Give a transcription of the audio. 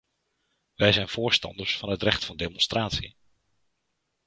Wij zijn voorstanders van het recht van demonstratie.